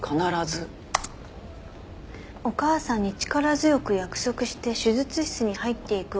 「お母さんに力強く約束して手術室に入っていく叔父と叔母」